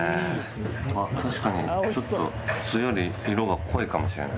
あっ確かにちょっと普通より色が濃いかもしれない。